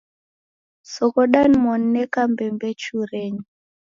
Soghoda nimoni neka mbembechurenyi.